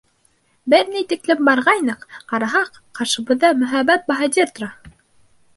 Бер ни тиклем барғайныҡ, ҡараһаҡ, ҡаршыбыҙҙа мөһабәт баһадир тора!